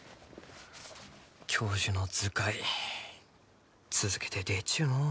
教授の「図解」続けて出ちゅうのう。